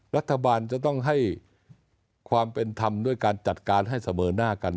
รัฐบาลจะต้องให้ความเป็นธรรมด้วยการจัดการให้เสมอหน้ากัน